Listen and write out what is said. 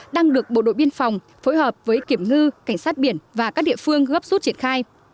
đang được bộ đội biên phòng phối hợp với kiểm ngư cảnh sát biển và các địa phương gấp suốt triển khai